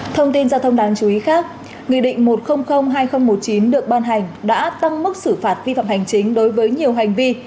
thông tin giao thông đáng chú ý khác nghị định một trăm linh hai nghìn một mươi chín được ban hành đã tăng mức xử phạt vi phạm hành chính đối với nhiều hành vi